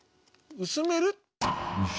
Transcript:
薄める？